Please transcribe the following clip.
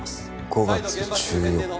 ５月１４日。